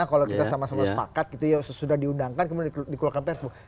kalau kita sama sama sepakat gitu ya sudah diundangkan kemudian dikeluarkan perpu